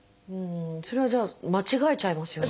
それはじゃあ間違えちゃいますよね。